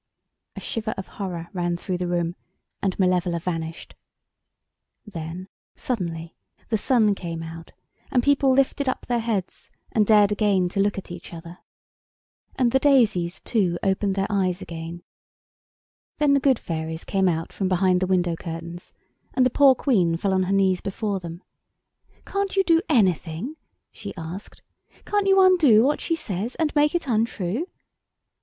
A shiver of horror ran through the room, and Malevola vanished. Then, suddenly, the sun came out, and people lifted up their heads, and dared again to look at each other. And the daisies, too, opened their eyes again. [Illustration: MALEVOLA'S DRESS WAS NOT AT ALL THE THING FOR A CHRISTENING.] Then the good fairies came out from behind the window curtains, and the poor Queen fell on her knees before them. "Can't you do anything?" she asked. "Can't you undo what she says, and make it untrue?"